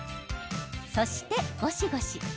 そして、ゴシゴシ。